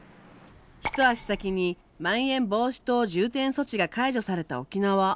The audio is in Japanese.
一足先にまん延防止等重点措置が解除された沖縄。